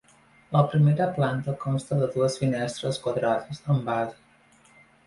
La primera planta consta de dues finestres quadrades amb base.